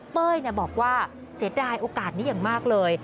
เป้ยบอกว่าเสียดายโอกาสนี้อย่างมากเลย